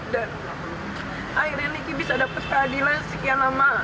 dan akhirnya niki bisa dapet keadilan sekian lama